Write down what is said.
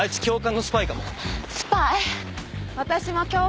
女スパイ！